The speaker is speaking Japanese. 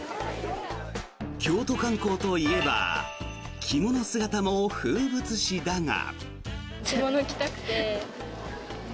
京都観光といえば着物姿も風物詩だが。